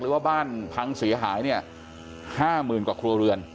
หรือว่าบ้านพังเสียหาย๕หมื่นกว่าครัวเรือน